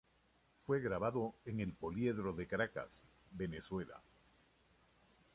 Fue grabado en El Poliedro de Caracas, Venezuela.